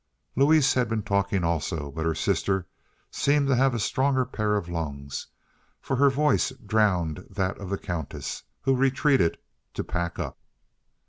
Louise had been talking also, but her sister seemed to have a stronger pair of lungs, for her voice drowned that of the Countess, who retreated to "pack up."